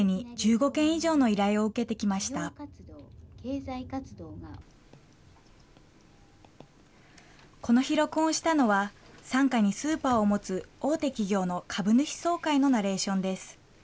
この日、録音したのは、傘下にスーパーを持つ大手企業の株主総会のナレーションです。